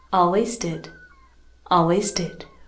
Always did; always did.